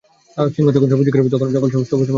সিংহ যখন শিকারে বের হয় তখন জঙ্গল সবুজ-শ্যামল থাকে।